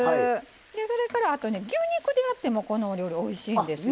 でそれからあとね牛肉でやってもこのお料理おいしいんですよ。